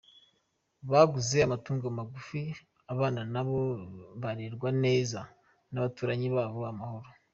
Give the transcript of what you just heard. Baguze amatungo magufi, abana babo barerwa neza, n’abaturanyi babonye amahoro.